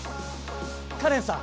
カレンさん！